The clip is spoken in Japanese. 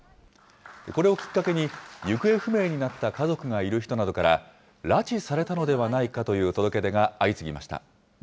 これをきっかけに行方不明になった家族がいる人などから、拉致されたのではないかという届け出が相次ぎました。